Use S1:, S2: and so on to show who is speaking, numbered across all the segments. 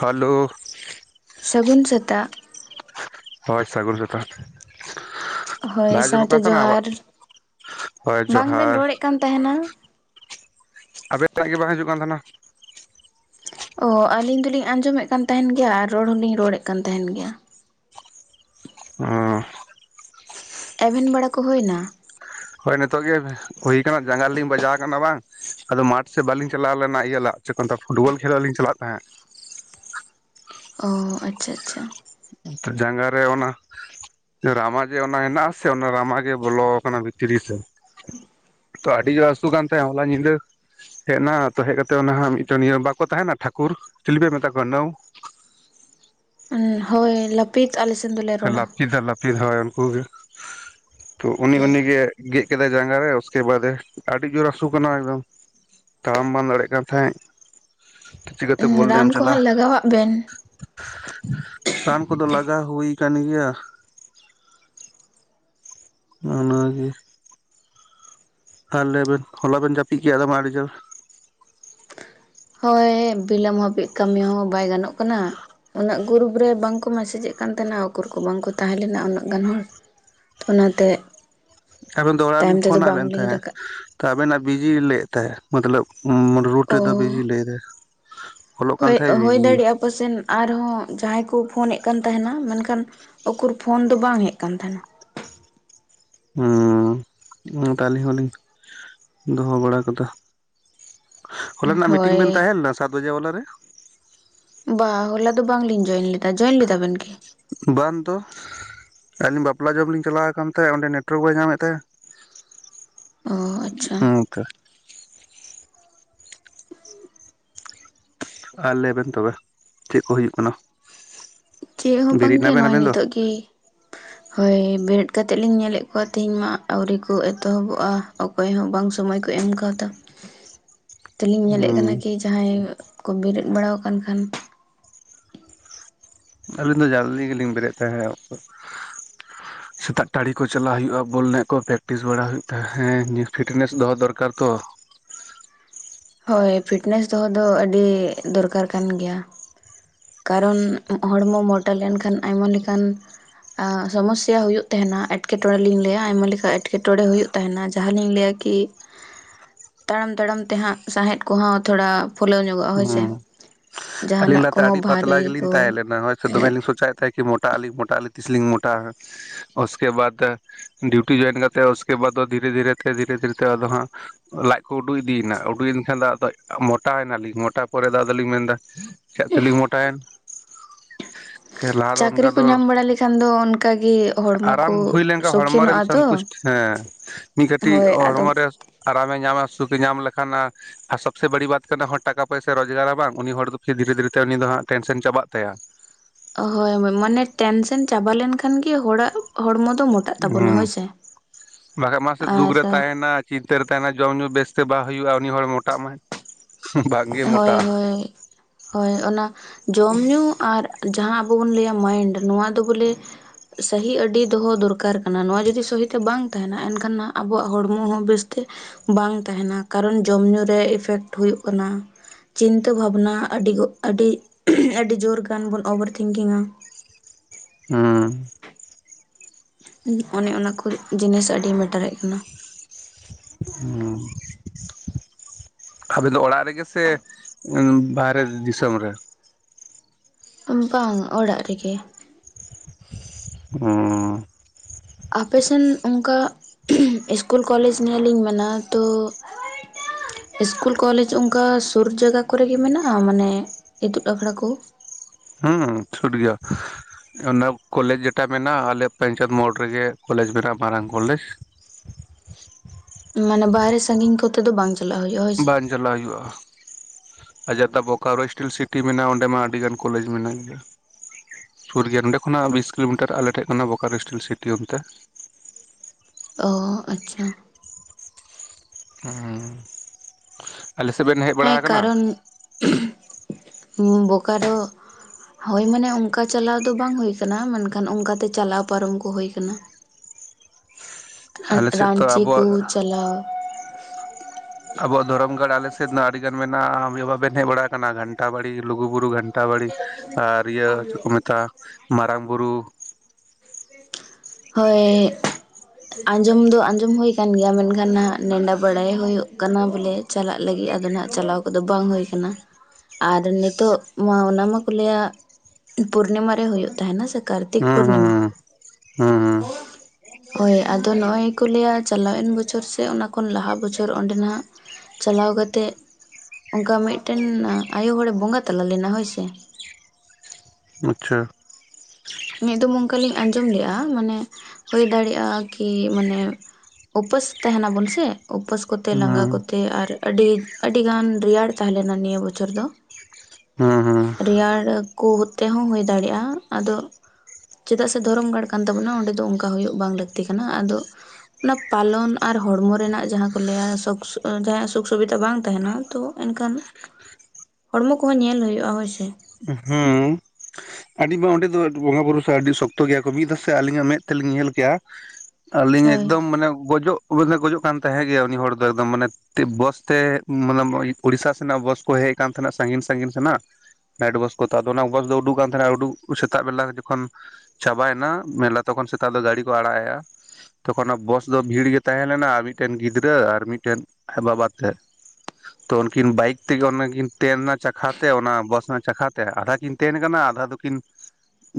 S1: Hello
S2: ᱥᱟᱹᱜᱩᱱ ᱥᱟᱛᱟᱜ
S1: ᱦᱳᱭ ᱥᱟᱹᱜᱩᱱ ᱥᱮᱛᱟᱜ!
S2: ᱦᱳᱭ
S1: ᱵᱟᱭ ᱟᱸᱡᱚᱢᱚᱜ
S2: ᱥᱟᱶᱛᱮ
S1: ᱠᱟᱱ ᱛᱟᱦᱮᱱᱟ ᱟᱵᱚᱣᱟᱜ
S2: ᱡᱚᱦᱟᱨ
S1: ᱦᱳᱭ
S2: ᱵᱟᱝᱵᱮᱱ
S1: ᱡᱚᱦᱟᱨ
S2: ᱨᱚᱲᱮᱫ ᱠᱟᱱ ᱛᱟᱦᱮ ᱸᱱᱟ?
S1: ᱟᱵᱮᱱ ᱴᱮᱟᱜ ᱜᱮ ᱵᱟᱝ ᱦᱤᱡᱩᱜ ᱠᱟᱱ ᱛᱟᱦᱮᱸᱱᱟ᱾
S2: ᱚ ᱟᱹᱞᱤᱧ ᱫᱚᱞᱤᱧ ᱟᱸᱡᱚᱢᱮᱫ ᱠᱟᱱ ᱛᱟᱦᱮᱸᱱ ᱜᱮᱭᱟ ᱟᱨ ᱨᱚᱲ ᱦᱚᱞᱤᱧ ᱨᱚᱲᱮᱫ ᱠᱟᱱ ᱛᱟᱦᱮᱸᱱ ᱜᱮᱭᱟ᱾
S1: ᱚᱦ
S2: ᱮᱵᱷᱮᱱ ᱵᱟᱲᱟ ᱠᱚ ᱦᱩᱭᱱᱟ?
S1: ᱦᱳᱭ ᱱᱤᱛᱚᱜ ᱜᱮ ᱦᱩᱭᱩ ᱟᱠᱟᱱᱟ ᱡᱟᱸᱜᱟ ᱨᱮᱞᱤᱧ ᱵᱟᱡᱟᱣ ᱟᱠᱟᱱᱟ ᱵᱟᱝ᱾ ᱟᱫᱚ ᱢᱟᱴᱷ ᱥᱮᱫ ᱵᱟᱞᱤᱧ ᱪᱟᱞᱟᱣ ᱞᱮᱱᱟ ᱤᱭᱟᱹ ᱞᱟ ᱪᱮᱫ ᱢᱮ ᱯᱷᱩᱴᱵᱚᱞ ᱠᱷᱮᱞᱳᱜ ᱞᱤᱧ ᱪᱟᱞᱟᱜ ᱛᱟᱦᱮᱸᱫ᱾
S2: ᱚ ᱟᱪᱪᱷᱟ ᱟᱪᱪᱷᱟ
S1: ᱡᱟᱸᱜᱟᱮ ᱚᱱᱟ ᱨᱟᱢᱟ ᱡᱮ ᱚᱱᱟ ᱦᱮᱱᱟᱜ ᱟᱥᱮ ᱚᱱᱟ ᱨᱟᱢᱟᱜ ᱜᱮ ᱵᱚᱞᱚ ᱠᱟᱱᱟ ᱵᱷᱤᱛᱨᱤ ᱥᱮᱱ ᱾ ᱛᱚ ᱟᱹᱰᱤ ᱡᱳᱨ ᱦᱟᱹᱥᱩ ᱠᱟᱱ ᱛᱟᱦᱮᱸᱼᱟ ᱦᱚᱞᱟ ᱧᱤᱫᱟᱹ ᱾ ᱦᱮᱡ ᱮᱱᱟ ᱛᱚ ᱦᱮᱡ ᱠᱟᱛᱮ ᱚᱱᱟ ᱦᱟᱸᱜ ᱢᱤᱫᱴᱮᱱ ᱱᱤᱭᱟᱹ ᱵᱟᱠᱚ ᱛᱟᱦᱮᱱᱟ ᱴᱷᱟᱠᱩᱨ, ᱪᱤᱞᱤ ᱯᱮ ᱢᱮᱛᱟ ᱠᱚᱣᱟ ᱱᱟᱹᱣ?
S2: ᱦᱳᱭ, ᱞᱟ ᱯᱤᱛ ᱟᱞᱮ ᱥᱮᱱ ᱫᱚᱞᱮ ᱨᱚᱲᱟ
S1: ᱞᱟᱹᱯᱤᱛᱟ ᱞᱟᱹᱯᱤᱛ ᱫᱚᱭ ᱩᱱᱠᱩ ᱜᱮ ᱛᱚ ᱩᱱᱤ ᱩᱱᱤ ᱜᱮ ᱾ ᱜᱮᱫ ᱠᱮᱫᱟᱭ ᱡᱟᱸᱜᱟ ᱨᱮ ᱩᱥᱠᱮ ᱵᱟᱫᱮ ᱟᱹᱰᱤ ᱡᱳᱨ ᱦᱟᱹᱥᱩ ᱠᱟᱱᱟ ᱮᱠᱫᱚᱢ ᱾ ᱛᱟᱲᱟᱢ ᱵᱟᱢ ᱫᱟᱲᱮᱭᱟᱜ ᱠᱟᱱ ᱛᱟᱦᱮᱸᱫ ᱪᱤᱠᱟᱹᱛᱮ ᱵᱚᱞ ᱮᱱᱮᱡ ᱮᱢ
S2: ᱨᱟᱱ ᱠᱚ
S1: ᱪᱟᱞᱟᱜᱼᱟ
S2: ᱦᱟᱸᱜ ᱞᱟᱜᱟᱣᱟᱜ ᱵᱮᱱ
S1: ᱾ ᱨᱟᱱ ᱠᱚᱫᱚ ᱞᱟᱜᱟ ᱦᱩᱭ ᱠᱟᱱ ᱜᱮᱭᱟ ᱾ ᱚᱱᱟᱜᱮ ᱛᱟᱦᱚᱞᱮ ᱵᱮᱱ ᱦᱚᱞᱟ ᱵᱮᱱ ᱡᱟᱹᱯᱤᱫ ᱠᱮᱫ ᱟᱫ ᱢᱟ ᱟᱹᱰᱤ ᱡᱟᱞ
S2: ᱦᱳᱭ ᱵᱤᱞᱟᱹᱢ ᱦᱟᱹᱵᱤᱡᱽ ᱠᱟᱹᱢᱤ ᱦᱚᱸ ᱵᱟᱭ ᱜᱟᱱᱚᱜ ᱠᱟᱱᱟ᱾ ᱩᱱᱟᱹᱜ ᱜᱨᱩᱯ ᱨᱮ ᱵᱟᱝᱠᱚ ᱢᱮᱥᱮᱡᱮᱫ ᱠᱟᱱ ᱛᱟᱦᱮᱱᱟ ᱩᱠᱩᱨ ᱠᱚ ᱵᱟᱝᱠᱚ ᱛᱟᱦᱮᱸ ᱞᱮᱱᱟ ᱩᱱᱟᱹᱜ ᱜᱟᱱ ᱦᱚᱲ ᱾ ᱚᱱᱟᱛᱮ ᱾
S1: ᱟᱵᱮᱱ ᱫᱚ ᱚᱲᱟᱜ ᱨᱮ ᱞᱤᱧ ᱯᱷᱳᱱᱟᱫ ᱵᱮᱱ ᱛᱟᱦᱮᱸᱫ
S2: ᱨᱟᱠᱟᱵ
S1: ᱛᱚ ᱟᱵᱮᱱᱟᱜ ᱵᱤᱡᱤ ᱞᱟᱹᱭ ᱮᱫ ᱛᱟᱦᱮᱸᱫ ᱢᱚᱛᱞᱚᱵ ᱨᱩᱴ ᱫᱚ
S2: ᱚ
S1: ᱵᱤᱡᱤ ᱞᱟᱹᱭ
S2: ᱦᱳᱭ, ᱦᱩᱭ ᱫᱟᱲᱮᱭᱟᱜᱼᱟ ᱯᱟᱥᱮᱱ ᱟᱨᱦᱚᱸ ᱡᱟᱦᱟᱸᱭ ᱠᱚ ᱯᱷᱳᱱᱮᱫ ᱠᱟᱱ ᱛᱟᱦᱮᱱᱟ ᱾ ᱢᱮᱱᱠᱷᱟᱱ ᱩᱠᱩᱨ ᱯᱷᱳᱱ ᱫᱚ ᱵᱟᱝ ᱦᱮᱡ ᱟᱠᱟᱱ ᱛᱟᱦᱮᱱᱟ ᱾
S1: ᱦᱩᱸ ᱚᱱᱟ ᱛᱮ ᱟᱹᱞᱤᱧ ᱦᱚᱞᱤᱧ ᱫᱚᱦᱚ ᱵᱟᱲᱟ ᱟᱠᱟᱫᱟ ᱾ ᱦᱚᱞᱟ ᱨᱮᱱᱟᱜ ᱢᱤᱴᱤᱝ
S2: ᱦᱳᱭ
S1: ᱵᱮᱱ ᱛᱟᱦᱮᱸᱞᱮᱱᱟ ᱥᱟᱛ ᱵᱟᱡᱮ ᱵᱟᱞᱟᱨᱮ ᱾
S2: ᱵᱟᱝ ᱦᱚᱞᱟ ᱫᱚ ᱵᱟᱝᱞᱤᱧ ᱡᱚᱭᱮᱱ ᱞᱮᱫᱟ ᱾ ᱡᱚᱭᱮᱱ ᱞᱮᱫᱟ ᱵᱮᱱ ᱠᱤ?
S1: ᱵᱟᱝ ᱛᱚ ᱾ ᱟᱹᱞᱤᱧ ᱵᱟᱯᱞᱟ ᱡᱚᱢ ᱞᱤᱧ ᱪᱟᱞᱟᱣ ᱟᱠᱟᱱ ᱛᱟᱦᱮᱸ, ᱚᱸᱰᱮ ᱱᱮᱴᱳᱣᱟᱨᱠ ᱵᱟᱭ ᱧᱟᱢᱮᱫ ᱛᱟᱦᱮᱸ ᱾
S2: ᱚ ᱟᱪᱪᱷᱟ
S1: ᱚᱝᱠᱟ ᱾ ᱟᱨ ᱞᱟᱹᱭ ᱵᱮᱱ ᱛᱚᱵᱮ, ᱪᱮᱫ ᱠᱚ ᱦᱩᱭᱩᱜ ᱠᱟᱱᱟ?
S2: ᱪᱮᱫ ᱦᱚᱸ
S1: ᱵᱮᱨᱮᱫ
S2: ᱵᱟᱝᱜᱮ
S1: ᱮᱱᱟᱵᱮᱱ
S2: ᱱᱚᱜᱼᱚᱭ
S1: ᱟᱵᱮᱱ ᱫᱚ
S2: ᱱᱤᱛᱚᱜ ᱜᱮ,
S1: [inaudible]
S2: ᱦᱳᱭ ᱵᱮᱨᱮᱫ ᱠᱟᱛᱮᱫ ᱞᱤᱧ ᱧᱮᱞᱮᱫ ᱠᱚᱣᱟ, ᱛᱮᱦᱤᱧ ᱢᱟ ᱟᱹᱣᱨᱤ ᱠᱚ ᱮᱛᱚᱦᱚᱵᱚᱜᱼᱟ ᱾ ᱚᱠᱚᱭ ᱦᱚᱸ ᱵᱟᱝ ᱥᱚᱢᱚᱭ ᱠᱚ ᱮᱢ ᱠᱟᱣᱫᱟ ᱾
S1: [inaudible]
S2: ᱛᱮ ᱞᱤᱧ ᱧᱮᱞᱮᱫ
S1: ᱦᱩᱸ
S2: ᱠᱟᱱᱟ ᱠᱤ ᱡᱟᱦᱟᱸᱭ ᱠᱚ ᱵᱮᱨᱮᱫ ᱵᱟᱲᱟ ᱟᱠᱟᱱ ᱠᱷᱟᱱ,
S1: ᱟᱹᱞᱤᱧ ᱫᱚ ᱡᱚᱞᱫᱤ ᱜᱮᱞᱤᱧ ᱵᱮᱨᱮᱫ ᱛᱟᱦᱮᱸᱜ ᱾ ᱥᱮᱛᱟᱜ ᱴᱟᱹᱲᱤ ᱠᱚ ᱪᱟᱞᱟᱜ ᱦᱩᱭᱩᱜᱼᱟ, ᱵᱚᱞ ᱮᱱᱮᱡ ᱠᱚ ᱯᱨᱮᱠᱴᱤᱥ ᱵᱟᱲᱟ ᱦᱩᱭᱩᱜ ᱛᱟᱦᱮᱸ ᱯᱷᱤᱴᱱᱮᱥ ᱫᱚᱦᱚ ᱫᱚᱨᱠᱟᱨ ᱛᱚ ᱾
S2: ᱦᱳᱭ, ᱯᱷᱤᱴᱱᱮᱥ ᱫᱚᱦᱚ ᱫᱚ ᱟᱹᱰᱤ ᱫᱚᱨᱠᱟᱨ ᱠᱟᱱ ᱜᱮᱭᱟ ᱾ ᱠᱟᱨᱚᱱ ᱦᱚᱲᱢᱚ ᱢᱳᱴᱟ ᱞᱮᱱᱠᱷᱟᱱ ᱟᱭᱢᱟ ᱞᱮᱠᱟᱱ, ᱟ ᱥᱚᱢᱚᱥᱥᱟ ᱦᱩᱭᱩᱜ ᱛᱟᱦᱮᱱᱟ ᱟᱨ ᱮᱴᱠᱮᱴᱚᱬᱮ ᱞᱤᱧ ᱞᱟᱹᱭᱟ, ᱟᱭᱢᱟ ᱞᱮᱠᱟ ᱮᱴᱠᱮᱴᱚᱬᱮ ᱦᱩᱭᱩᱜ ᱛᱟᱦᱮᱱᱟ ᱡᱟᱦᱟᱸ ᱞᱤᱧ ᱞᱟᱹᱭᱟ ᱠᱤ,
S1: [inaudible]
S2: ᱛᱟᱲᱟᱢ ᱛᱟᱲᱟᱢ ᱛᱮ ᱦᱟᱸᱜ ᱥᱟᱸᱦᱮᱫ ᱠᱚᱦᱚᱸ ᱛᱷᱚᱲᱟ ᱯᱷᱩᱞᱟᱹᱣ ᱧᱚᱜᱚᱜᱼᱟ ᱦᱳᱭᱥᱮ
S1: ᱦᱩᱸ
S2: ᱾
S1: ᱟᱹᱞᱤᱧ ᱞᱟᱦᱟᱛᱮ ᱟᱹᱰᱤ ᱯᱟᱛᱞᱟ ᱜᱮᱞᱤᱧ ᱛᱟᱦᱮᱸ ᱞᱮᱱᱟ ᱦᱳᱭ ᱥᱮ ᱫᱚᱢᱮ ᱞᱤᱧ ᱥᱳᱪᱟᱣᱮᱫ ᱛᱟᱦᱮᱸᱱᱟ ᱠᱤ ᱢᱚ ᱴᱟᱜ ᱟᱞᱤ ᱢᱚᱴᱟᱜ ᱟᱞᱤ ᱛᱤᱥᱞᱤᱝ ᱢᱚᱴᱟᱜᱼᱟ᱾ ᱩᱥᱠᱮ ᱵᱟᱫ ᱰᱤᱭᱩᱴᱤ ᱡᱟᱭᱮᱱ ᱠᱟᱛᱮ ᱩᱥᱠᱮ ᱵᱟᱫ ᱫᱷᱤᱨᱮ ᱫᱷᱤᱨᱮ ᱛᱮ ᱫᱷᱤᱨᱮ ᱫᱷᱤᱨᱮ ᱛᱮ, ᱟᱫᱚ ᱦᱟᱸᱜᱼᱼ ᱞᱟᱡ ᱠᱚ ᱩᱰᱩ ᱤᱫᱤᱭᱮᱱᱟ, ᱩᱰᱩᱮᱱ ᱠᱷᱟᱱ ᱫᱚ ᱟᱫᱚ ᱢᱚᱴᱟᱭᱮᱱᱟᱞᱤᱧ, ᱢᱚᱴᱟ ᱯᱚᱨᱮ ᱫᱚ ᱟᱫᱚᱞᱤᱧ ᱢᱮᱱ ᱮᱫᱟ ᱪᱟ ᱪᱚ ᱞᱤᱧ ᱢᱚᱴᱟᱭᱮᱱ ᱾ ᱞᱟᱦᱟ ᱫᱚ
S2: ᱪᱟᱹᱠᱨᱤ
S1: ᱚᱱᱠᱟ
S2: ᱠᱚ
S1: ᱫᱚ
S2: ᱧᱟᱢ ᱵᱟᱲᱟ ᱞᱮᱠᱷᱟᱱ ᱫᱚ ᱚᱱᱠᱟᱜᱮ ᱦᱚᱲᱢᱚ
S1: ᱟᱨᱟᱢ
S2: ᱠᱚ
S1: ᱦᱩᱭ ᱞᱮᱱᱠᱷᱟᱱ ᱦᱚᱲᱢᱚ ᱨᱮ
S2: ᱥᱚᱠᱷᱤᱱᱚᱜᱼᱟ ᱛᱚ
S1: ᱥᱚᱱᱛᱩᱥᱴ ᱦᱮᱸ, ᱢᱤᱫ ᱠᱟᱹᱴᱤᱡ
S2: ᱦᱳᱭ ᱟᱫᱚ
S1: ᱦᱚᱲᱢᱚ ᱨᱮ ᱟᱨᱟᱢᱮ ᱧᱟᱢᱟ, ᱥᱩᱠᱮ ᱧᱟᱢ ᱞᱮᱠᱷᱟᱱ ᱟᱨ ᱥᱚᱵᱮ ᱵᱟᱹᱲᱤ ᱵᱟᱛ ᱠᱟᱱᱟ ᱦᱚᱲ ᱴᱟᱠᱟ ᱯᱚᱭᱥᱟ ᱨᱳᱡᱽᱜᱟᱨᱟ ᱵᱟᱝ ᱩᱱᱤ ᱦᱚᱲ ᱫᱚ, ᱫᱷᱤᱨᱮ ᱫᱷᱤᱨᱮ ᱛᱮ ᱩᱱᱤ ᱫᱚ ᱦᱟᱸᱜ ᱴᱮᱱᱥᱮᱱ ᱪᱟᱵᱟᱜ ᱛᱟᱭᱟ ᱾
S2: ᱦᱳᱭ, ᱢᱟᱱᱮ ᱴᱮᱱᱥᱮᱱ ᱪᱟᱵᱟ ᱞᱮᱱ ᱠᱷᱟᱱ ᱜᱮ ᱦᱚᱲᱟᱜ ᱦᱚᱲᱢᱚ ᱫᱚ ᱢᱚᱴᱟ ᱾
S1: ᱦᱮᱸ, ᱵᱟᱠᱷᱟᱡ ᱢᱟᱥᱮ ᱫᱩᱠ
S2: ᱟᱨ
S1: ᱨᱮ ᱛᱟᱦᱮᱱᱟ, ᱪᱤᱱᱛᱟᱹᱨ ᱨᱮ ᱛᱟᱦᱮᱱᱟ, ᱡᱚᱢ ᱧᱩ ᱵᱮᱥᱛᱮ ᱵᱟᱟᱭ ᱦᱩᱭᱩᱜᱼᱟ, ᱩᱱᱤ ᱦᱚᱲ ᱢᱚᱴᱟᱜ ᱢᱟᱭ ᱾
S2: ᱦᱳᱭ ᱦᱳᱭ ᱾ ᱦᱳᱭ ᱚᱱᱟ ᱡᱚᱢ ᱧᱩ ᱟᱨ ᱡᱟᱦᱟᱸ ᱟᱵᱚ ᱵᱚᱱ ᱞᱟᱹᱭᱟ ᱢᱟᱭᱤᱱᱰ ᱱᱚᱣᱟ ᱫᱚ ᱵᱚᱞᱮ ᱼᱼ ᱥᱟᱹᱦᱤ ᱟᱹᱰᱤ ᱫᱚᱦᱚ ᱫᱚᱨᱠᱟᱨ ᱠᱟᱱᱟ ᱱᱚᱣᱟ ᱡᱩᱫᱤ ᱥᱟᱹᱦᱤᱛᱮ ᱵᱟᱝ ᱛᱟᱦᱮᱱᱟ ᱮᱱᱠᱷᱟᱱ ᱟᱵᱚᱣᱟᱜ ᱦᱚᱲᱢᱚ ᱦᱚᱸ ᱵᱮᱥᱛᱮ ᱼᱼ ᱵᱟᱝ ᱛᱟᱦᱮᱱᱟ ᱠᱟᱨᱚᱱ ᱡᱚᱢ ᱧᱩ ᱨᱮ ᱤᱯᱷᱮᱠᱴ ᱦᱩᱭᱩᱜ ᱠᱟᱱᱟ ᱾ ᱪᱤᱱᱛᱟᱹ ᱵᱷᱟᱵᱽᱱᱟ ᱟᱹᱰᱤ ᱜᱚᱜ ᱟᱹᱰᱤ ᱟᱹᱰᱤ ᱡᱳᱨᱜᱟᱱ ᱵᱚᱱ ᱚᱵᱷᱟᱨ ᱛᱷᱤᱝᱠᱤᱝᱼᱟ ᱾
S1: ᱦᱮᱸ ᱾
S2: ᱚᱱᱮ ᱚᱱᱟ ᱠᱚ ᱡᱤᱱᱤᱥ ᱟᱹᱰᱤ ᱢᱮᱴᱟᱨᱮᱫ ᱠᱟᱱᱟ ᱾
S1: ᱦᱩᱸᱼᱼ ᱟᱵᱮᱱ ᱫᱚ ᱚᱲᱟᱜ ᱨᱮᱜᱮ ᱥᱮ ᱵᱟᱨᱦᱮ ᱫᱤᱥᱚᱢ ᱨᱮ?
S2: ᱵᱟᱝ ᱚᱲᱟᱜ ᱨᱮᱜᱮ ᱾
S1: ᱚᱸᱻ ᱾
S2: ᱟᱯᱮ ᱥᱮᱱ ᱚᱱᱠᱟ ᱤᱥᱠᱩᱞ ᱠᱚᱞᱮᱡᱽ ᱱᱤᱭᱮᱞᱤᱧ ᱢᱮᱱᱟ ᱛᱚ ᱼᱼ ᱤᱥᱠᱩᱞ ᱠᱚᱞᱮᱡᱽ ᱚᱱᱠᱟ ᱥᱩᱨ ᱡᱟᱜᱟ ᱠᱚᱨᱮᱜᱮ ᱢᱮᱱᱟᱜᱼᱟ ᱢᱟᱱᱮ ᱤᱛᱩᱱ ᱟᱠᱷᱲᱟ ᱠᱚ?
S1: ᱦᱮᱸᱼᱼ ᱥᱩᱴ ᱜᱮᱭᱟ ᱚᱱᱟ ᱠᱚᱞᱮᱡᱽ ᱡᱮᱴᱟ ᱢᱮᱱᱟᱜᱼᱟ ᱟᱞᱮ ᱯᱚᱧᱪᱟᱭᱮᱛ ᱢᱳᱲ ᱨᱮᱜᱮ ᱠᱚᱞᱮᱡᱽ ᱢᱮᱱᱟᱜᱼᱟ ᱢᱟᱨᱟᱝ ᱠᱚᱞᱮᱡᱽ ᱾
S2: ᱢᱟᱱᱮ ᱵᱟᱦᱨᱮ ᱥᱟᱺᱜᱤᱧ ᱠᱚᱛᱮ ᱫᱚ ᱵᱟᱝ ᱪᱟᱞᱟᱜ ᱼᱼ
S1: ᱵᱟᱝ ᱪᱟᱞᱟᱣ ᱦᱩᱭᱩᱜᱼᱟ ᱾ ᱟᱡᱟᱛᱟ ᱵᱳᱠᱟᱨᱳ ᱤᱥᱴᱤᱞ ᱥᱤᱴᱤ ᱢᱮᱱᱟᱜᱼᱟ ᱚᱸᱰᱮ ᱢᱟ ᱟᱹᱰᱤᱜᱟᱱ ᱠᱚᱞᱮᱡᱽ ᱢᱮᱱᱟᱜ ᱾ ᱥᱩᱨ ᱜᱮᱭᱟ ᱱᱚᱰᱮ ᱠᱷᱚᱱᱟᱜ ᱵᱤᱥ ᱠᱤᱞᱳᱢᱤᱴᱟᱨ ᱟᱞᱮ ᱴᱷᱮᱡ ᱠᱷᱚᱱᱟᱜ ᱵᱳᱠᱟᱨᱳ ᱤᱥᱴᱤᱞ ᱥᱤᱴᱤ ᱚᱱᱛᱮ ᱾
S2: ᱚ ᱟᱪᱪᱷᱟ ᱾
S1: ᱦᱮᱸ ᱾ ᱟᱞᱮ ᱥᱮᱡ ᱵᱮᱱ ᱦᱮᱡ ᱼᱼ
S2: ᱦᱮᱸ ᱠᱟᱨᱚᱱ ᱼᱼ
S1: [inaudible]
S2: ᱵᱳᱠᱟᱨᱳ ᱼᱼ ᱦᱳᱭ ᱢᱟᱱᱮ ᱚᱱᱠᱟ ᱪᱟᱞᱟᱣ ᱫᱚ ᱵᱟᱝ ᱦᱩᱭ ᱠᱟᱱᱟ ᱢᱮᱱᱠᱷᱟᱱ ᱚᱱᱠᱟᱛᱮ ᱪᱟᱞᱟᱣ ᱯᱟᱨᱚᱢ ᱠᱚ ᱦᱩᱭ ᱠᱟᱱᱟ ᱾
S1: ᱟᱞᱮ ᱥᱮᱫ ᱛᱚ
S2: ᱨᱟᱱᱪᱤ ᱠᱚ
S1: ᱟᱵᱚᱣᱟᱜ
S2: ᱪᱟᱞᱟᱣ ᱾
S1: ᱟᱵᱚᱣᱟᱜ ᱫᱷᱚᱨᱚᱢ ᱜᱟᱲ ᱟᱞᱮᱥᱮᱫ ᱫᱚ ᱟᱹᱰᱤ ᱜᱟᱱ ᱢᱮᱱᱟᱜᱼᱟ ᱟᱵᱤᱱ ᱵᱟᱵᱮᱱ ᱦᱮᱡ ᱵᱟᱲᱟ ᱟᱠᱟᱱᱟ ᱜᱷᱟᱱᱴᱟ ᱵᱟᱲᱤ ᱞᱩᱜᱩ ᱵᱩᱨᱩ ᱼᱼ ᱴᱟ ᱵᱟᱲᱤ ᱟᱨ ᱤᱭᱟᱹ ᱪᱮᱫ ᱠᱚ ᱢᱮᱛᱟᱜᱼᱟ ᱢᱟᱨᱟᱝ ᱵᱩᱨᱩ ᱾
S2: ᱦᱳᱭ ᱼᱼ ᱟᱸᱡᱚᱢ ᱫᱚ ᱟᱸᱡᱚᱢ ᱦᱩᱭ ᱠᱟᱱ ᱜᱮᱭᱟ ᱢᱮᱱᱠᱷᱟᱱ ᱦᱟᱸᱜ ᱱᱮᱰᱟ ᱵᱟᱲᱟᱭ ᱦᱩᱭᱩᱜ ᱠᱟᱱᱟ ᱵᱚᱞᱮ ᱼᱼ ᱪᱟᱞᱟᱜ ᱞᱟᱹᱜᱤᱫ ᱟᱫᱚ ᱱᱟᱜ ᱪᱟᱞᱟᱣ ᱠᱚᱫᱚ ᱵᱟᱝ ᱦᱩᱭ ᱠᱟᱱᱟ ᱾ ᱟᱨ ᱱᱤᱛᱚᱜ ᱢᱟ ᱚᱱᱟ ᱢᱟᱠᱚ ᱞᱟᱹᱭᱟ ᱯᱩᱨᱱᱤᱢᱟ ᱨᱮ ᱦᱩᱭᱩᱜ ᱛᱟᱦᱮᱱᱟ ᱥᱮ ᱼᱼ ᱠᱟᱨᱛᱤᱠ ᱯᱩᱨᱱᱤᱢᱟ ᱾
S1: ᱦᱩᱸ ᱦᱩᱸ ᱦᱩᱸ ᱾
S2: ᱦᱳᱭ ᱟᱫᱚ ᱱᱚᱜᱚᱭ ᱠᱚ ᱞᱟᱹᱭᱟ ᱪᱟᱞᱟᱣ ᱮᱱ ᱵᱚᱪᱷᱚᱨ ᱥᱮ ᱚᱱᱟ ᱠᱷᱚᱱ ᱞᱟᱦᱟ ᱵᱚᱪᱷᱚᱨ ᱚᱸᱰᱮ ᱱᱟᱦᱟᱜ ᱼᱼ ᱪᱟᱞᱟᱣ ᱠᱟᱛᱮᱫ ᱚᱱᱠᱟ ᱢᱤᱫᱴᱮᱱ ᱟᱭᱳ ᱦᱚᱲᱮ ᱵᱚᱸᱜᱟ ᱛᱟᱞᱟ ᱞᱮᱱᱟ ᱦᱳᱭᱥᱮ?
S1: ᱟᱪᱪᱷᱟ ᱾
S2: ᱢᱤᱫ ᱫᱷᱚᱢ ᱚᱱᱠᱟ ᱞᱤᱧ ᱟᱸᱡᱚᱢ ᱞᱮᱜᱼᱟ ᱢᱟᱱᱮ ᱦᱩᱭ ᱫᱟᱲᱮᱭᱟᱜᱼᱟ ᱠᱤ ᱢᱟᱱᱮ ᱼᱼ ᱩᱯᱟᱹᱥ ᱛᱟᱦᱮᱱᱟᱵᱚᱱ ᱥᱮ ᱩᱯᱟᱹᱥ ᱠᱚᱛᱮ ᱞᱟᱸᱜᱟ
S1: ᱦᱩᱸ
S2: ᱠᱚᱛᱮ ᱟᱨ ᱼᱼ ᱟᱹᱰᱤ ᱟᱹᱰᱤ ᱜᱟᱱ ᱨᱮᱭᱟᱲ ᱛᱟᱦᱮᱸ ᱞᱮᱱᱟ ᱱᱤᱭᱟᱹ ᱵᱚᱪᱷᱚᱨ ᱫᱚ ᱾
S1: ᱦᱩᱸ ᱦᱩᱸ᱾
S2: ᱨᱮᱭᱟᱲ ᱠᱚ ᱛᱮᱦᱚᱸ ᱦᱩᱭ ᱫᱟᱲᱮᱜᱼᱟ ᱟᱫᱚ ᱼᱼ ᱪᱮᱫᱟᱜ ᱥᱮ ᱫᱷᱚᱨᱚᱢ ᱜᱟᱲ ᱠᱟᱱ ᱛᱟᱵᱚᱱᱟ ᱚᱸᱰᱮ ᱫᱚ ᱚᱱᱠᱟ ᱦᱩᱭᱩᱜ ᱵᱟᱝ ᱞᱟᱹᱠᱛᱤ ᱠᱟᱱᱟ ᱟᱫᱚ ᱼᱼ ᱚᱱᱟ ᱯᱟᱞᱚᱱ ᱟᱨ ᱦᱚᱲᱢᱚ ᱨᱮᱱᱟᱜ ᱡᱟᱦᱟᱸ ᱠᱚ ᱞᱟᱹᱭᱟ ᱡᱟᱦᱟᱸᱭᱟᱜ ᱥᱩᱠ ᱥᱩᱵᱤᱫᱷᱟ ᱵᱟᱝ ᱛᱟᱦᱮᱱᱟ ᱼᱼ ᱛᱚ ᱮᱱᱠᱷᱟᱱ ᱼᱼ
S1: [inaudible]
S2: ᱦᱚᱲᱢᱚ ᱠᱚᱦᱚᱸ ᱧᱮᱞ ᱦᱩᱭᱩᱜᱼᱟ ᱦᱳᱭ ᱥᱮ?
S1: ᱦᱩᱸ ᱟᱹᱰᱤ ᱵᱚᱸ ᱚᱱᱰᱮ ᱫᱚ ᱵᱚᱸᱜᱟ ᱵᱩᱨᱩ ᱟᱹᱰᱤ ᱥᱚᱠᱛᱚ ᱜᱮᱭᱟ ᱠᱩ ᱢᱤᱫ ᱫᱷᱟᱣ ᱥᱮ ᱟᱹᱞᱤᱧᱟᱜ ᱢᱮᱫ ᱛᱮᱞᱤᱧ ᱧᱮᱞ ᱠᱮᱜ-ᱟ ᱟᱞᱤᱧ
S2: ᱦᱳᱭ
S1: ᱮᱠᱫᱚᱢ ᱢᱟᱱᱮ ᱜᱚᱡᱚᱜ ᱩᱱᱤ ᱫᱚᱭ ᱜᱚᱡᱚᱜ ᱠᱟᱱ ᱛᱟᱦᱮᱸ ᱜᱮᱭᱟ ᱩᱱᱤ ᱦᱚᱲ ᱫᱚ ᱮᱠᱫᱚᱢ ᱢᱟᱱᱮ ᱢᱤᱫᱴᱮᱱ ᱵᱚᱥᱛᱮ ᱢᱞᱟ. ᱵ ᱩᱲᱤᱥᱥᱟ ᱥᱮᱱᱟᱜ ᱵᱟᱥ ᱠᱚ ᱦᱮᱡ ᱠᱟᱱ ᱛᱟᱦᱮᱸᱱᱟ ᱥᱟᱺᱜᱤᱧ ᱥᱟᱺᱜᱤᱧ ᱥᱮᱱᱟᱜ ᱱᱟᱭᱤᱴ ᱵᱚᱥ ᱠᱚ ᱫᱚ ᱚᱱᱟ ᱵᱚᱥ ᱫᱚ ᱩᱰᱩᱠᱟᱱ ᱩᱰᱩᱠ ᱥᱮᱛᱟᱜ ᱵᱮᱞᱟ ᱡᱚᱠᱷᱚᱱ ᱪᱟᱵᱟᱭᱮᱱᱟ ᱢᱮᱞᱟ ᱛᱚᱠᱷᱚᱱ ᱥᱮᱛᱟᱜ ᱫᱚ ᱜᱟᱹᱰᱤ ᱠᱚ ᱟᱲᱟᱜ ᱮᱭᱟ ᱛᱚᱠᱷᱚᱱ ᱵᱚᱥ ᱫᱚ ᱵᱷᱤᱲ ᱜᱮ ᱛᱟᱦᱮᱸ ᱞᱮᱱᱟ ᱟᱨ ᱢᱤᱫᱴᱮᱱ ᱜᱤᱫᱽᱨᱟᱹ ᱟᱨ ᱢᱤᱫᱴᱮᱱ ᱟᱡ ᱵᱟᱵᱟ ᱛᱮᱫ ᱛᱚ ᱩᱱᱠᱤᱱ ᱵᱟᱭᱤᱠ ᱛᱮᱜᱮ ᱚᱱᱟᱠᱤᱱ ᱛᱮᱱ ᱮᱱᱟ ᱪᱟᱠᱷᱟᱛᱮ ᱚᱱᱟ ᱵᱟᱥ ᱨᱮᱱᱟᱜ ᱪᱟᱠᱷᱟᱛᱮ ᱟᱫᱷᱟ ᱠᱤᱱ ᱛᱮᱱ ᱟᱠᱟᱱᱟ ᱟᱫᱷᱟ ᱫᱚᱠᱤᱱ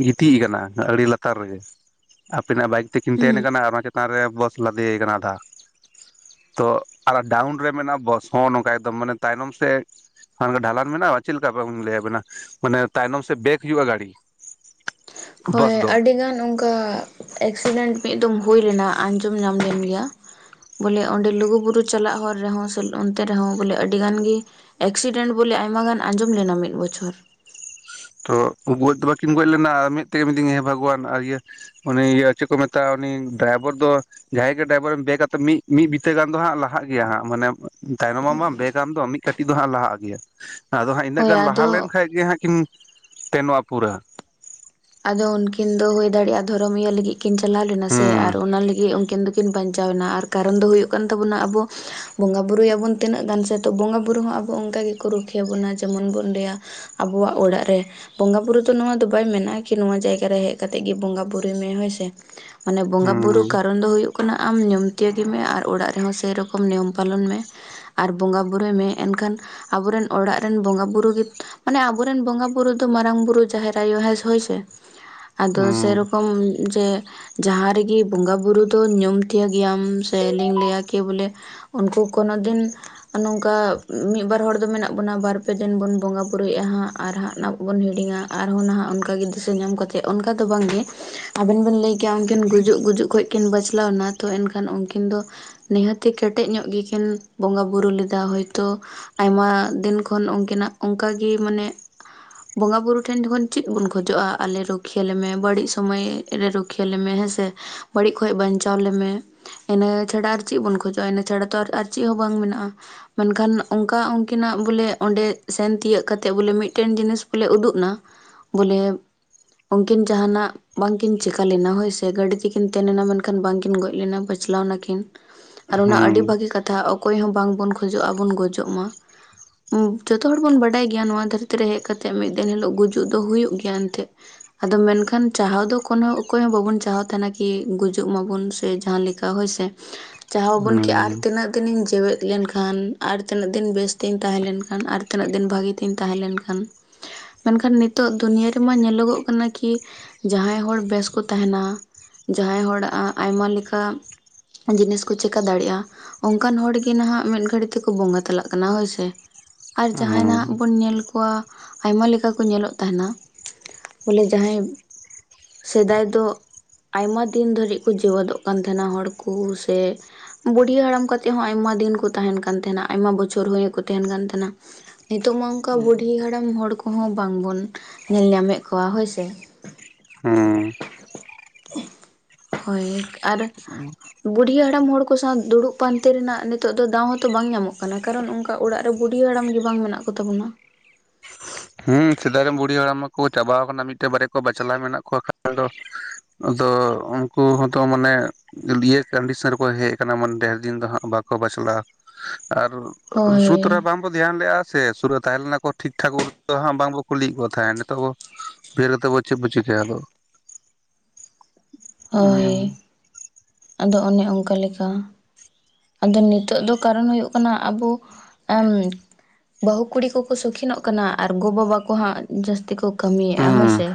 S1: ᱜᱤᱛᱤᱡ ᱟᱠᱟᱱᱟ ᱟᱹᱲᱤ ᱞᱟᱛᱟᱨ ᱨᱮᱜᱮ ᱟᱯᱮᱱᱟᱜ ᱵᱟᱭᱤᱠ ᱛᱤᱠᱤᱱ ᱛᱮᱱ
S2: ᱦᱩᱸ
S1: ᱟᱠᱟᱱᱟ ᱟᱨ ᱚᱱᱟ ᱪᱮᱛᱟᱱ ᱨᱮ ᱵᱚᱥ ᱞᱟᱫᱮ ᱟᱠᱟᱱᱟ ᱟᱫᱷᱟ ᱛᱚ ᱟᱨ ᱰᱟᱣᱩᱱ ᱨᱮ ᱢᱮᱱᱟᱜ-ᱟ ᱵᱚᱥ ᱦᱚᱸ ᱱᱚᱝᱠᱟ ᱮᱠᱫᱚᱢ ᱢᱟᱱᱮ ᱛᱟᱭᱱᱚᱢ ᱥᱮᱫ ᱦᱚᱸ ᱰᱷᱟᱞᱟᱱ ᱢᱮᱱᱟᱜᱼᱟ ᱪᱮᱫ ᱞᱮᱠᱟ ᱞᱟᱹᱭ ᱟᱵᱮᱱᱟ ᱢᱟᱱᱮ ᱛᱟᱭᱱᱚᱢ ᱥᱮ ᱵᱮᱜ ᱼᱼ ᱦᱩᱭᱩᱜᱼᱟ ᱜᱟᱲᱤ ᱾
S2: ᱦᱳᱭ ᱟᱹᱰᱤᱜᱟᱱ ᱚᱱᱠᱟ ᱮᱠᱥᱤᱰᱮᱱᱴ ᱢᱤᱫ ᱫᱚᱢ ᱦᱩᱭ ᱞᱮᱱᱟ ᱟᱸᱡᱚᱢ ᱧᱟᱢ ᱞᱮᱱ ᱜᱮᱭᱟ ᱾ ᱵᱚᱞᱮ ᱚᱸᱰᱮ ᱞᱩᱜᱩᱵᱩᱨᱩ ᱪᱟᱞᱟᱜ ᱦᱚᱨ ᱨᱮᱦᱚᱸ ᱥᱮ ᱚᱱᱛᱮ ᱨᱮᱦᱚᱸ ᱵᱚᱞᱮ ᱟᱹᱰᱤ ᱜᱟᱱ ᱜᱮ ᱮᱠᱥᱤᱰᱮᱱᱴ ᱵᱚᱞᱮ ᱟᱭᱢᱟ ᱜᱟᱱ ᱟᱸᱡᱚᱢ ᱞᱮᱱᱟ ᱢᱤᱫ ᱵᱚᱪᱷᱚᱨ
S1: ᱛᱚ ᱜᱚᱡ ᱫᱚ ᱵᱟᱠᱤᱱ ᱜᱚᱡ ᱞᱮᱱᱟ ᱢᱮᱫ ᱛᱮ ᱢᱤᱛᱟᱹᱧᱟ ᱵᱷᱟᱜᱽᱣᱟᱱᱟ ᱟᱨ ᱤᱭᱟᱹ ᱩᱱᱤ ᱤᱭᱟᱹ ᱪᱮᱫ ᱠᱚ ᱢᱮᱛᱟᱜ-ᱟ ᱩᱱᱤ ᱰᱨᱟᱭᱵᱷᱟᱨ ᱫᱚ ᱡᱟᱦᱟᱸᱭ ᱜᱮ ᱰᱨᱟᱭᱵᱷᱚᱨᱮᱢ ᱫᱮᱠᱟᱛᱮ ᱢᱤᱼᱢᱤᱫ ᱵᱤᱛᱟᱹ ᱜᱟᱱ ᱫᱚ ᱦᱟᱸᱜ ᱞᱟᱦᱟᱜ ᱜᱮᱭᱟ ᱦᱟᱸᱜ ᱢᱟᱱᱮ ᱛᱟᱭᱱᱚᱢ ᱢᱟᱢ ᱢᱟ ᱵᱮᱜ ᱟᱢ ᱫᱚᱢ ᱢᱤᱫ ᱠᱟᱹᱴᱤᱡ ᱫᱚ ᱦᱟᱸᱜ ᱞᱟᱦᱟᱜ ᱟᱹᱜᱩᱭᱟ, ᱟᱫᱚ ᱦᱟᱸᱜ ᱤᱱᱟᱹᱜ
S2: ᱦᱳᱭ
S1: ᱜᱟᱱ ᱞᱟᱦᱟ
S2: ᱟᱫᱚ
S1: ᱞᱮᱱ ᱠᱷᱟᱡ ᱜᱮ ᱦᱟᱸᱜ ᱠᱤᱱ ᱛᱮᱱᱚᱜ-ᱟ ᱯᱩᱨᱟᱹ
S2: ᱟᱫᱚ ᱩᱱᱠᱤᱱ ᱫᱚ ᱦᱩᱭ ᱫᱟᱲᱮᱭᱟᱜᱼᱟ ᱫᱷᱚᱨᱚᱢ ᱤᱭᱟᱹ ᱞᱟᱹᱜᱤᱫ ᱠᱤᱱ ᱪᱟᱞᱟᱣ ᱞᱮᱱᱟ ᱥᱮ
S1: ᱦᱩᱸ
S2: ᱟᱨ ᱚᱱᱟ ᱞᱟᱹᱜᱤᱫ ᱩᱱᱠᱤᱱ ᱫᱚ ᱠᱤᱱ ᱵᱟᱧᱪᱟᱣᱮᱱᱟ ᱟᱨ ᱠᱟᱨᱚᱱ ᱫᱚ ᱦᱩᱭᱩᱜ ᱠᱟᱱ ᱛᱟᱵᱩᱱᱟ ᱟᱵᱩ ᱵᱚᱸᱜᱟᱼᱵᱩᱨᱩᱭᱟᱵᱩᱱ ᱛᱤᱱᱟᱹᱜ ᱜᱟᱱ ᱥᱮ ᱛᱚ ᱵᱚᱸᱜᱟᱵᱩᱨᱩ ᱦᱚᱸ ᱟᱵᱩ ᱚᱱᱠᱟ ᱜᱮᱠᱚ ᱨᱩᱠᱷᱤᱭᱟᱹᱵᱩᱱᱟ ᱡᱮᱢᱚᱱ ᱵᱩᱱ ᱞᱟᱹᱭᱟ ᱟᱵᱩᱣᱟᱜ ᱚᱲᱟᱜ ᱨᱮ ᱵᱚᱸᱜᱟ ᱵᱩᱨᱩ ᱫᱚ ᱱᱚᱣᱟ ᱫᱚ ᱵᱟᱭ ᱢᱮᱱᱟ ᱠᱤ ᱱᱚᱣᱟ ᱡᱟᱭᱜᱟ ᱨᱮ ᱦᱮᱡ ᱠᱟᱛᱮ ᱜᱮ ᱵᱚᱸᱜᱟ ᱵᱩᱨᱩᱭ ᱢᱮ ᱦᱳᱭ ᱥᱮ ᱢᱟᱱᱮ ᱵᱚᱸᱜᱟ ᱵᱩᱨᱩ
S1: ᱦᱩᱸ
S2: ᱠᱟᱨᱚᱱ ᱫᱚ ᱦᱩᱭᱩᱜ ᱟᱢ ᱱᱤᱭᱢ ᱛᱤᱭᱟᱹᱜ ᱢᱮ ᱟᱨ ᱚᱲᱟᱜ ᱨᱮᱦᱚᱸ ᱥᱮ ᱨᱚᱠᱚᱢ ᱱᱤᱭᱚᱢ ᱯᱟᱞᱚᱱ ᱢᱮ ᱟᱨ ᱵᱚᱸᱜᱟ-ᱵᱩᱨᱩᱭ ᱢᱮ ᱮᱱᱠᱷᱟᱱ ᱟᱵᱩᱨᱮᱱ ᱚᱲᱟᱜ ᱨᱮᱱ ᱵᱚᱸᱜᱟ ᱵᱩᱨᱩ ᱜᱮ, ᱢᱟᱱᱮ ᱟᱵᱩᱨᱮᱱ ᱵᱚᱸᱜᱟ ᱵᱩᱨᱩ ᱫᱚ ᱢᱟᱨᱟᱝ ᱵᱩᱨᱩ ᱡᱟᱦᱮᱨ ᱟᱭᱳ ᱦᱮᱸ ᱦᱳᱭ ᱟᱫᱚ
S1: ᱦᱩᱸ
S2: ᱥᱮ ᱨᱚᱠᱚᱢ ᱡᱮ ᱡᱟᱦᱟᱸ ᱨᱮᱜᱤ ᱵᱚᱸᱜᱟ ᱵᱩᱨᱩ ᱫᱚᱢ ᱧᱩᱢ ᱛᱤᱭᱟᱹᱜ ᱜᱮᱭᱟᱢ ᱥᱮ ᱮᱱᱮᱢ ᱞᱟᱹᱭᱟ ᱠᱤ ᱵᱚᱞᱮ ᱩᱱᱠᱩ ᱠᱳᱱᱳ ᱫᱤᱱ ᱟᱨ ᱱᱚᱝᱠᱟ ᱢᱤᱫ ᱵᱟᱨ ᱦᱚᱲ ᱫᱚ ᱢᱮᱱᱟᱜ ᱵᱩᱱᱟ ᱵᱟᱨ ᱯᱮ ᱫᱤᱱ ᱵᱚᱱ ᱵᱚᱸᱜᱟ ᱵᱩᱨᱩᱭᱮᱫᱼᱟ ᱦᱟᱸᱜ ᱟᱨ ᱦᱟᱸᱜ ᱚᱱᱟ ᱠᱚ ᱵᱚᱱ ᱦᱤᱲᱤᱧᱟ ᱟᱨᱦᱚᱸ ᱱᱟᱦᱟᱜ ᱚᱱᱠᱟᱜᱮ ᱥᱮ ᱟᱹᱡᱚᱢ ᱠᱟᱛᱮᱫ ᱚᱱᱠᱟ ᱫᱚ ᱵᱟᱝᱜᱮ ᱟᱵᱩᱱ ᱵᱚᱱ ᱞᱟᱹᱭ ᱠᱮᱭᱟ ᱟᱸᱜᱮᱱ ᱜᱩᱡᱩᱜ ᱜᱩᱡᱩᱜ ᱠᱷᱚᱡ ᱠᱤᱱ ᱵᱟᱪᱞᱟᱣ ᱮᱱᱟ ᱛᱚ ᱮᱱᱠᱷᱟᱱ ᱩᱱᱠᱤᱱ ᱫᱚ ᱱᱤᱦᱟᱹᱛᱤ ᱠᱮᱴᱮᱡ ᱧᱚᱜ ᱜᱮ ᱠᱤᱱ ᱵᱚᱸᱜᱟ ᱵᱩᱨᱩ ᱞᱮᱫᱟ ᱦᱚᱭᱛᱚ ᱟᱭᱢᱟ ᱫᱤᱱ ᱠᱷᱚᱱ ᱩᱱᱠᱤᱱᱟᱜ ᱚᱱᱠᱟᱜᱤ ᱢᱟᱱᱮ ᱵᱚᱸᱜᱟ ᱵᱩᱨᱩ ᱴᱷᱮᱱ ᱡᱚᱠᱷᱚᱱ ᱪᱤᱫ ᱵᱚᱱ ᱠᱷᱚᱡ ᱠᱷᱚᱡᱚᱜᱼᱟ ᱟᱞᱮ ᱨᱩᱠᱷᱤᱭᱟᱹ ᱞᱮᱢᱮ ᱵᱟᱹᱲᱤᱡ ᱥᱚᱢᱚᱭ ᱨᱮ ᱨᱩᱠᱷᱤᱭᱟᱹ ᱞᱮᱢᱮ ᱦᱮᱸᱥᱮ ᱵᱟᱹᱲᱤᱡ ᱠᱷᱚᱡ ᱵᱟᱧᱪᱟᱣ ᱞᱮᱢᱮ ᱤᱱᱟᱹ ᱪᱷᱟᱲᱟ ᱟᱨ ᱪᱤᱫ ᱵᱚᱱ ᱠᱷᱚᱡᱚᱜ-ᱟ ᱤᱱᱟᱹ ᱪᱷᱟᱲᱟ ᱛᱚ ᱟᱨ ᱪᱤᱫ ᱦᱚᱸ ᱵᱟᱝ ᱢᱮᱱᱟᱜ-ᱟ ᱢᱮᱱᱠᱷᱟᱱ ᱚᱱᱠᱟ ᱩᱱᱠᱤᱱᱟᱜ ᱵᱚᱞᱮ ᱚᱸᱰᱮ ᱥᱮᱱ ᱛᱤᱭᱳᱜ ᱠᱟᱛᱮᱜ ᱵᱚᱞᱮ ᱢᱤᱫᱴᱮᱱ ᱡᱤᱱᱤᱥ ᱵᱚᱞᱮ ᱩᱫᱩᱜ ᱮᱱᱟ ᱵᱚᱞᱮ ᱩᱱᱠᱤᱱ ᱡᱟᱦᱟᱱᱟᱜ ᱵᱟᱝᱠᱤᱱ ᱪᱤᱠᱟ ᱞᱮᱱᱟ ᱦᱳᱭᱥᱮ ᱜᱟᱹᱰᱤ ᱛᱮᱠᱤᱱ ᱛᱮᱱᱮᱱᱟ ᱢᱮᱱᱠᱷᱟᱱ ᱵᱟᱝᱠᱤᱱ ᱜᱚᱡ ᱞᱮᱱᱟ ᱵᱟᱪᱞᱟᱣ ᱱᱟᱠᱤᱱ ᱟᱨ ᱚᱱᱟ ᱟᱹᱰᱤ ᱵᱷᱟᱹᱜᱤ ᱠᱟᱛᱷᱟ ᱚᱠᱚᱭ ᱦᱚᱸ ᱵᱟᱝᱵᱚᱱ ᱠᱷᱚᱡᱚᱜᱼᱟᱵᱚᱱ ᱜᱚᱡᱚᱜ ᱢᱟ ᱡᱚᱛᱚ ᱦᱚᱲ ᱵᱩᱱ ᱵᱟᱰᱟᱭ ᱜᱮᱭᱟ ᱱᱚᱣᱟ ᱫᱷᱟᱹᱨᱛᱤ ᱨᱮ ᱦᱮᱡ ᱠᱟᱛᱮᱜ ᱢᱤᱫ ᱫᱤᱱ ᱦᱤᱞᱳᱜ ᱜᱩᱡᱩᱜ ᱫᱚ ᱦᱩᱭᱩᱜ ᱜᱮᱭᱟ ᱮᱱᱛᱮ ᱟᱫᱚ ᱢᱮᱱᱠᱷᱟᱱ ᱪᱟᱦᱟᱣ ᱫᱚ ᱚᱠᱚᱭ ᱦᱚᱸ ᱵᱟᱵᱩᱱ ᱪᱟᱦᱟᱣ ᱛᱟᱦᱮᱱᱟ ᱠᱤ ᱜᱩᱡᱩᱜ ᱢᱟᱵᱩᱱ ᱥᱮ ᱡᱟᱦᱟᱸ ᱠᱟ ᱦᱳᱭ ᱥᱮ ᱪᱟᱦᱟᱣ ᱵᱚᱱ ᱠᱤ ᱟᱨ
S1: ᱦᱩᱸ
S2: ᱛᱤᱱᱟᱹᱜ ᱫᱤᱱᱤᱧ ᱡᱮᱣᱮᱫ ᱞᱮᱱᱠᱷᱟᱱ ᱟᱨ ᱛᱤᱱᱟᱹᱜ ᱫᱤᱱ ᱵᱮᱥ ᱛᱤᱧ ᱛᱟᱦᱮᱸᱞᱮᱱᱠᱷᱟᱱ ᱟᱨ ᱛᱤᱱᱟᱹᱜ ᱫᱤᱱ ᱵᱷᱟᱜᱤ ᱛᱤᱧ ᱛᱟᱦᱮᱸ ᱞᱮᱱᱠᱷᱟᱱ ᱢᱮᱱᱠᱷᱟᱱ ᱱᱤᱛᱚᱜ ᱫᱚ ᱫᱩᱱᱤᱭᱟᱹ ᱨᱮᱢᱟ ᱧᱮᱞᱚᱜᱚᱜ ᱠᱟᱱᱟ ᱠᱤ ᱡᱟᱦᱟᱸᱭ ᱦᱚᱲ ᱵᱮᱥ ᱠᱚ ᱛᱟᱦᱮᱱᱟ ᱡᱟᱦᱟᱸᱭ ᱦᱚᱲ ᱟᱜ ᱟᱭᱢᱟ ᱞᱮᱠᱟ ᱡᱤᱱᱤᱥ ᱠᱚ ᱪᱮᱠᱟ ᱫᱟᱲᱮᱭᱟᱜᱼᱟ ᱾ ᱚᱱᱠᱟᱱ ᱦᱚᱲ ᱜᱮ ᱱᱟᱦᱟᱜ ᱢᱤᱫ ᱜᱷᱟᱹᱲᱤ ᱛᱮᱠᱚ ᱵᱚᱸᱜᱟ ᱛᱟᱞᱟᱜ ᱠᱟᱱᱟ ᱦᱳᱹᱭ ᱥᱮ ᱾ ᱟᱨ
S1: ᱦᱩᱸ
S2: ᱡᱟᱦᱟᱸᱭ ᱱᱟᱦᱟᱜ ᱵᱩᱱ ᱧᱮᱞ ᱠᱚᱣᱟ ᱟᱭᱢᱟ ᱞᱮᱠᱟ ᱠᱚ ᱧᱮᱞᱚᱜ ᱛᱟᱸᱦᱮᱱᱟ ᱾ ᱵᱚᱞᱮ ᱡᱟᱦᱟᱸᱭ ᱥᱮᱸᱫᱟᱭ ᱫᱚ ᱟᱭᱢᱟ ᱫᱤᱱ ᱫᱷᱟᱹᱨᱤᱡ ᱠᱚ ᱡᱮᱣᱮᱫᱚᱜ ᱠᱟᱱ ᱛᱟᱦᱮᱱᱟ ᱦᱚᱲ ᱠᱚ ᱥᱮ ᱾ ᱵᱩᱰᱦᱤ ᱦᱟᱲᱟᱢ ᱠᱟᱛᱮ ᱮᱫ ᱦᱚᱸ ᱟᱭᱢᱟ ᱫᱤᱱ ᱠᱚ ᱛᱟᱦᱮᱱ ᱠᱟᱱ ᱛᱟᱸᱦᱮᱱᱟ ᱟᱭᱢᱟ ᱵᱚᱪᱷᱚᱨ ᱦᱩᱭ ᱠᱚ ᱛᱟᱦᱮᱱ ᱠᱟᱱ ᱛᱟᱸᱦᱮᱱᱟ ᱾ ᱱᱤᱛᱚᱜ ᱢᱟ ᱚᱱᱠᱟ ᱵᱩᱰᱰᱷᱤ ᱦᱟᱲᱟᱢ ᱦᱚᱲ ᱠᱚᱦᱚᱸ ᱵᱟᱝ ᱵᱚᱱ ᱾ ᱧᱮᱞ ᱧᱟᱢᱮᱫ ᱠᱚᱣᱟ ᱦᱳᱹᱭ ᱥᱮ ᱾
S1: ᱦᱩᱸ ᱦᱩᱸ
S2: ᱦᱳᱹᱭ ᱟᱨ ᱾ ᱵᱩᱰᱷᱤ ᱦᱟᱲᱟᱢ ᱦᱚᱲ ᱠᱚ ᱥᱟᱶ ᱫᱩᱲᱩᱵ ᱯᱟᱱᱛᱮ ᱨᱮᱱᱟᱜ ᱱᱤᱛᱚᱜ ᱫᱚ ᱫᱟᱣ ᱦᱚᱸᱛᱚ ᱵᱟᱝ ᱧᱟᱢᱚᱜ ᱠᱟᱱᱟ ᱠᱟᱨᱚᱱ ᱚᱱᱠᱟ ᱚᱱᱠᱟ ᱚᱲᱟᱜ ᱨᱮ ᱵᱩᱰᱰᱷᱤ ᱦᱟᱲᱟᱢ ᱜᱮ ᱵᱟᱝ ᱢᱮᱱᱟᱜ ᱠᱚ ᱛᱟᱵᱚᱱᱟ ᱾
S1: ᱦᱮᱸ ᱥᱮᱫᱟᱭ ᱨᱮᱱ ᱵᱩᱲᱦᱤ ᱦᱟᱲᱟᱢ ᱠᱚ ᱪᱟᱵᱟᱣ ᱠᱟᱱᱟ ᱢᱤᱫ ᱴᱮᱱ ᱵᱟᱨᱭᱟ ᱠᱚ ᱵᱟᱪᱞᱟᱣ ᱢᱮᱱᱟᱜ ᱠᱚᱣᱟ ᱠᱷᱟᱱ ᱫᱚ ᱾ ᱟᱫᱚ ᱩᱱᱠᱩ ᱦᱚᱸᱛᱚ ᱢᱟᱱᱮ ᱾ ᱤᱭᱟᱹ ᱚᱱᱰᱤᱥᱚᱱ ᱨᱮᱠᱚ ᱦᱮᱡ ᱟᱠᱟᱱᱟ ᱢᱟᱱᱮ ᱰᱷᱮᱨ ᱫᱤᱱ ᱫᱚ ᱦᱟᱸᱟᱜ ᱵᱟᱠᱚ ᱵᱟᱪᱞᱟᱜᱼᱟ ᱟᱨ ᱾ ᱥᱩᱫ ᱨᱮ
S2: ᱦᱳᱭ
S1: ᱵᱟᱝ ᱵᱚᱱ ᱫᱷᱮᱭᱟᱱ ᱞᱮᱜᱼᱟ ᱥᱮ ᱥᱩᱨᱟᱹᱜ ᱛᱟᱦᱮᱸ ᱞᱮᱱᱟ ᱠᱚ ᱴᱷᱤᱠ ᱴᱷᱟᱠᱩᱨ ᱸ ᱵᱟᱝ ᱵᱚᱱ ᱠᱩᱞᱤᱭᱮᱫ ᱠᱚ ᱛᱟᱦᱮᱸ ᱱᱤᱛᱚᱜ ᱵᱷᱮᱨ ᱠᱟᱛᱮ ᱮᱫ ᱵᱚᱱ ᱪᱮᱫ ᱵᱚ ᱪᱚ ᱠᱮᱭᱟ ᱟᱫᱚ ᱾
S2: ᱦᱳᱭ [inaudible] ᱟᱫᱚ ᱚᱱᱮ ᱚᱱᱠᱟ ᱞᱮᱠᱟ ᱾ ᱟᱫᱚ ᱱᱤᱛᱚᱜ ᱫᱚ ᱠᱟᱨᱚᱱ ᱦᱩᱭᱩᱜ ᱠᱟᱱᱟ ᱟᱵᱚ ᱾ ᱵᱟᱹᱦᱩ ᱠᱩᱲᱤ ᱠᱚ ᱠᱚ ᱥᱚᱠᱷᱤᱱᱚᱜ ᱠᱟᱱᱟ ᱟᱨ ᱜᱚ ᱵᱟᱵᱟ ᱠᱚ ᱦᱟᱸᱜ ᱡᱟᱹᱥᱛᱤ ᱠᱚ ᱾ ᱠᱟᱹᱢᱤᱭᱮᱫ ᱦᱳᱹᱭ
S1: ᱦᱩᱸ
S2: ᱥᱮ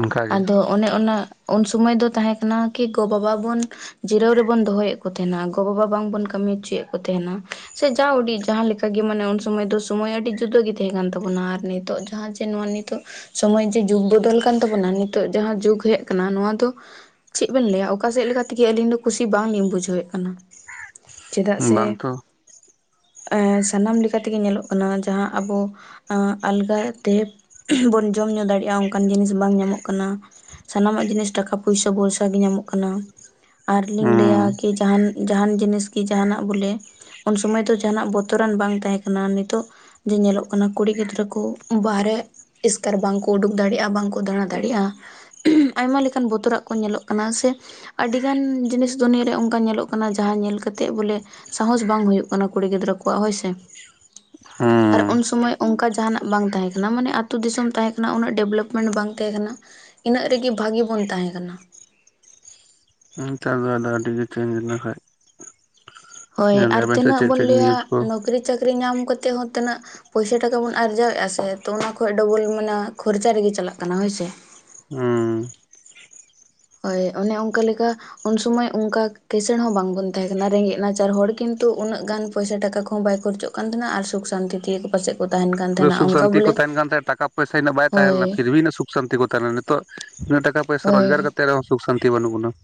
S1: ᱚᱱᱠᱟ ᱜᱮ
S2: ᱟᱫᱚ ᱚᱱᱮ ᱚᱱᱟ ᱾ ᱥᱳᱢᱚᱭ ᱫᱚ ᱛᱟᱦᱮᱸ ᱠᱟᱱᱟ ᱠᱤ ᱜᱚ ᱵᱟᱵᱟ ᱵᱚᱱ ᱾ ᱡᱤᱨᱟᱹᱣ ᱨᱮ ᱵᱚᱱ ᱫᱚᱦᱚᱭ ᱮᱫ ᱠᱚ ᱛᱟᱦᱮᱱ ᱟ ᱜᱚᱼᱵᱟᱵᱟ ᱵᱟᱝ ᱵᱚᱱ ᱠᱟᱹᱢᱤ ᱦᱚᱪᱚᱭ ᱮᱫ ᱠᱚ ᱛᱟᱦᱮᱱ ᱟ ᱾ ᱥᱮ ᱡᱟ ᱩᱰᱤ ᱡᱟᱦᱟᱸ ᱞᱮᱠᱟᱜᱮ ᱢᱟᱱᱮ ᱩᱱ ᱥᱚᱢᱚᱭ ᱡᱟ ᱥᱚᱢᱚᱭ ᱟᱹᱰᱤ ᱡᱩᱫᱟᱹᱜ ᱜᱮ ᱫᱚ ᱦᱮᱸ ᱠᱟᱱ ᱛᱟᱵᱚᱱᱟ ᱟᱨ ᱱᱤᱛᱚᱜ ᱡᱟᱦᱟᱸ ᱡᱮ ᱱᱚᱣᱟ ᱱᱤᱛᱚᱜ ᱾ ᱥᱚᱢᱚᱭ ᱡᱮ ᱡᱩᱜᱽ ᱵᱚᱫᱚᱞ ᱠᱟᱱ ᱛᱟᱵᱚᱱᱟ ᱱᱤᱛᱚᱜ ᱡᱟᱦᱟᱸ ᱡᱩᱜᱽ ᱦᱮᱡ ᱟᱠᱟᱱᱟ ᱱᱚᱣᱟ ᱾ ᱛᱚ ᱪᱮᱫ ᱵᱮᱱ ᱞᱟᱹᱭᱟ ᱚᱠᱟ ᱥᱮᱫ ᱞᱮᱠᱟᱛᱮᱜᱮ ᱟᱹᱞᱤᱧ ᱫᱚ ᱠᱩᱥᱤ ᱵᱟᱝ ᱞᱤᱧ ᱵᱩᱡᱷᱟᱹᱣᱮᱫ ᱠᱟᱱᱟ [inaudible] ᱪᱮᱫᱟᱜ ᱥᱮ
S1: ᱵᱟᱝ
S2: [inaudible]
S1: ᱛᱚ
S2: [unintelligible] ᱥᱟᱱᱟᱢ ᱞᱮᱠᱟᱛᱮᱜᱮ ᱧᱮᱞᱚᱜ ᱠᱟᱱᱟ ᱡᱟᱦᱟᱸ ᱟᱵᱚ [unintelligible] ᱟᱞᱜᱟ [unintelligible] [unintelligible] ᱵᱚᱱ ᱡᱚᱢ ᱧᱩ ᱫᱟᱲᱮᱭᱟᱜᱼᱟ ᱚᱱᱠᱟᱱ ᱡᱤᱱᱤᱥ ᱵᱟᱝ ᱧᱟᱢᱚᱜ ᱠᱟᱱᱟ ᱥᱟᱱᱟᱢᱟᱜ ᱡᱤᱱᱤᱥ ᱾ ᱴᱟᱠᱟ ᱯᱩᱭᱥᱟᱹ ᱵᱷᱚᱨᱥᱟ ᱜᱮ ᱧᱟᱢᱚᱜ ᱠᱟᱱᱟ ᱟᱨᱞᱤᱧ ᱞᱟᱹᱭᱟ
S1: ᱦᱩᱸ
S2: ᱠᱤ ᱡᱟᱦᱟᱱ ᱾ ᱡᱟᱦᱟᱱ ᱡᱤᱱᱤᱥ ᱜᱮ ᱡᱟᱦᱟᱱᱟᱜ ᱵᱚᱞᱮ ᱩᱱ ᱥᱚᱢᱚᱭ ᱫᱚ ᱡᱟᱦᱱᱟᱜ ᱵᱚᱛᱚᱨᱟᱱ ᱵᱟᱝ ᱛᱟᱦᱮᱸ ᱠᱟᱱᱟ ᱱᱤᱛᱚᱜ ᱾ ᱡᱮ ᱧᱮᱞᱚᱜ ᱠᱟᱱᱟ ᱠᱩᱲᱤ ᱜᱤᱫᱽᱨᱟᱹ ᱠᱚ ᱵᱟᱦᱨᱮ ᱾ ᱮᱥᱠᱟᱨ ᱵᱟᱝ ᱠᱚ ᱩᱰᱩᱠ ᱫᱟᱲᱮᱜᱼᱟ ᱵᱟᱝ ᱠᱚ ᱫᱟᱬᱟ ᱫᱟᱲᱮᱜᱼᱟ [unintelligible] ᱟᱭᱢᱟ ᱞᱮᱠᱟ ᱾ ᱠᱟᱱ ᱵᱚᱛᱚᱨᱟᱜ ᱠᱚ ᱧᱮᱞᱚᱜ ᱠᱟᱱᱟ ᱥᱮ ᱾ ᱟᱹᱰᱤᱜᱟᱱ ᱡᱤᱱᱤᱥ ᱫᱩᱱᱤᱭᱟᱹ ᱨᱮ ᱚᱱᱠᱟ ᱧᱮᱞᱚᱜ ᱠᱟᱱᱟ ᱡᱟᱦᱟᱸ ᱧᱮᱞ ᱠᱟᱛᱮᱜ ᱵᱚᱞᱮ ᱾ ᱥᱟᱦᱚᱥ ᱵᱟᱝ ᱦᱩᱭᱩᱜ ᱠᱟᱱᱟ ᱠᱩᱲᱤ ᱜᱤᱫᱽᱨᱟᱹ ᱠᱚᱣᱟᱜ ᱦᱳᱭ ᱥᱮ ᱾
S1: [unintelligible]
S2: ᱟᱨ ᱩᱱ ᱥᱚᱢᱚᱭ ᱚᱱᱠᱟ ᱡᱟᱦᱟᱱᱟᱜ ᱵᱟᱝ ᱛᱟᱦᱮᱸ ᱠᱟᱱᱟ ᱢᱟᱱᱮ ᱟᱛᱳ ᱫᱤᱥᱚᱢ ᱛᱟᱦᱮᱸ ᱠᱟᱱᱟ ᱩᱱᱟᱹᱜ ᱰᱮᱵᱷᱞᱚᱯᱢᱮᱱᱴ ᱵᱟᱝ ᱛᱟᱦᱮᱸ ᱠᱟᱱᱟ ᱾ ᱤᱱᱟᱹᱜ ᱨᱮᱜᱮ ᱵᱷᱟᱹᱜᱤ ᱵᱚᱱ ᱛᱟᱦᱮᱸ ᱠᱟᱱᱟ ᱾
S1: [unintelligible] ᱪᱟᱥ ᱵᱟᱥ ᱫᱚ ᱟᱹᱰᱤᱜᱮ ᱪᱮᱧᱡᱽ ᱦᱩᱭ ᱞᱮᱱᱠᱷᱟᱡ
S2: ᱦᱳᱭ ᱟᱨ
S1: ᱥᱮ
S2: ᱛᱤᱱᱟᱹᱜ
S1: ᱪᱮᱫ
S2: ᱵᱚᱱ
S1: ᱪᱮᱫ
S2: ᱞᱟᱹᱭᱟ
S1: ᱱᱤᱭᱩᱡᱽ ᱠᱚ
S2: ᱱᱚᱠᱨᱤ ᱪᱟᱹᱠᱨᱤ ᱧᱟᱢ ᱠᱟᱛᱮ ᱦᱚᱸ ᱛᱤᱱᱟᱹᱜ ᱾ ᱯᱩᱭᱥᱟᱹ ᱴᱟᱠᱟ ᱵᱚᱱ ᱟᱨᱡᱟᱣᱮᱫᱼᱟ ᱥᱮ ᱛᱚ ᱚᱱᱟ ᱠᱷᱚᱡ ᱰᱚᱵᱚᱞ ᱢᱟᱱᱮ ᱠᱷᱚᱨᱪᱟ ᱨᱮᱜᱮ ᱪᱟᱞᱟᱜ ᱠᱟᱱᱟ ᱦᱳᱭ ᱥᱮ ᱾
S1: ᱦᱩᱸ
S2: ᱦᱳᱭ ᱚᱱᱮ ᱚᱱᱠᱟ ᱞᱮᱠᱟ ᱾ ᱩᱱᱥᱚᱢᱚᱭ ᱚᱱᱠᱟ ᱠᱤᱥᱟᱹᱬ ᱦᱚᱸ ᱵᱟᱝ ᱵᱚᱱ ᱛᱟᱦᱮᱸ ᱠᱟᱱᱟ ᱨᱮᱸᱜᱮᱡ ᱱᱟᱪᱟᱨ ᱦᱚᱲ ᱠᱤᱱᱛᱩ ᱩᱱᱟᱹᱜ ᱜᱟᱱ ᱯᱩᱭᱥᱟᱹ ᱴᱟᱠᱟ ᱠᱚᱦᱚᱸ ᱵᱟᱭ ᱠᱷᱚᱨᱪᱚᱜ ᱠᱟᱱ ᱛᱟᱦᱮᱱᱟ ᱟᱨ ᱥᱩᱠ ᱥᱟᱱᱛᱤ ᱛᱮᱜᱮ ᱠᱚ ᱯᱟᱥᱮ ᱾
S1: ᱯᱩᱨᱟᱹ ᱥᱩᱠ ᱥᱟᱱᱛᱤ ᱠᱚ ᱛᱟᱦᱮᱱ ᱠᱟᱱ ᱛᱟᱦᱮᱱᱟ ᱴᱟᱠᱟ ᱯᱩᱭᱥᱟᱹ ᱤᱱᱟᱹᱜ ᱵᱟᱭ
S2: ᱦᱳᱭ
S1: ᱛᱟᱦᱮᱞᱮᱱᱟ ᱯᱷᱤᱨ ᱵᱷᱤ ᱤᱱᱟᱹᱜ ᱥᱩᱠ ᱥᱟᱱᱛᱤ ᱠᱚ ᱛᱟᱦᱮᱱᱟ ᱱᱤᱛᱚᱜ ᱩᱱᱟᱹᱜ ᱴᱟᱠᱟ ᱯᱚᱭᱥᱟ
S2: ᱦᱳᱭ
S1: ᱨᱳᱡᱽᱜᱟᱨ ᱠᱟᱛᱮ ᱨᱮᱦᱚᱸ ᱥᱩᱠ ᱥᱟᱱᱛᱤ ᱵᱟᱹᱱᱩᱜ ᱵᱚᱱᱟ ᱾